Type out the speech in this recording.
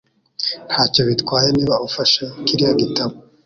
Ntacyo bitwaye niba ufashe kiriya gitabo